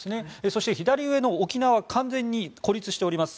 そして、左上の沖縄完全に孤立しています。